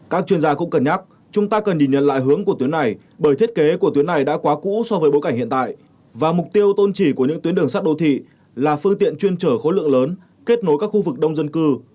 các chuyên gia cũng cân nhắc chúng ta cần nhìn nhận lại hướng của tuyến này bởi thiết kế của tuyến này đã quá cũ so với bối cảnh hiện tại và mục tiêu tôn chỉ của những tuyến đường sắt đô thị là phương tiện chuyên trở khối lượng lớn kết nối các khu vực đông dân cư